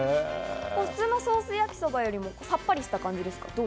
普通のソース焼そばよりさっぱりした感じですか？